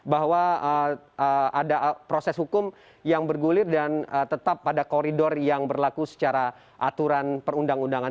bahwa ada proses hukum yang bergulir dan tetap pada koridor yang berlaku secara aturan perundang undangan